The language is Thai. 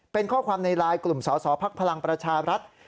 เป็นข้อความในไลน์กลุ่มสอสอภักดิ์พลังประชารัฐ